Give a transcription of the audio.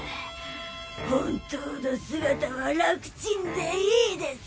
本当の姿は楽ちんでいいです